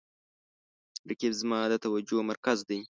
رقیب زما د توجه مرکز دی